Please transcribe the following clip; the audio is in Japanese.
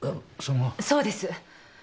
そうです。